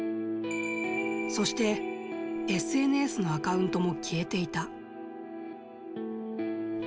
そして、ＳＮＳのアカウントも消えていた。